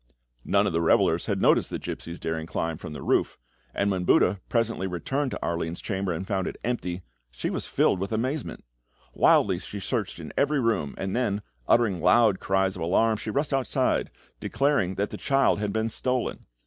None of the revellers had noticed the gipsy's daring climb from the roof, and when Buda presently returned to Arline's chamber and found it empty, she was filled with amazement. Wildly she searched in every room, and then, uttering loud cries of alarm, she rushed outside, declaring that the child had been stolen.